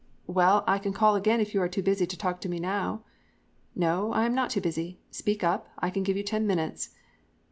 "'Well I can call again if you are too busy to talk to me now?' "'No, I am not too busy. Speak up. I can give you ten minutes.'